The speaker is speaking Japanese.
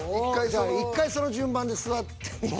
１回その順番で座ってみて。